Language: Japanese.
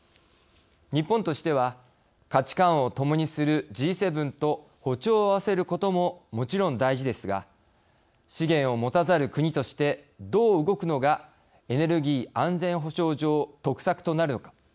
日本としては価値観を共にするＧ７と歩調を合わせることももちろん大事ですが資源を持たざる国としてどう動くのがエネルギー安全保障上得策となるのか。